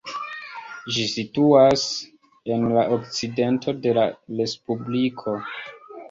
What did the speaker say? Ĝi situas en la okcidento de la respubliko.